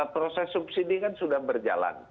proses subsidi kan sudah berjalan